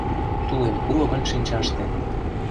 Тулем уло гын шинчаште